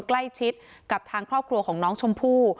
ใกล้ชิดกับทางครอบครัวของน้องชมพู่